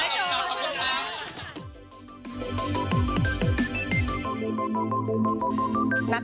ขอบคุณครับ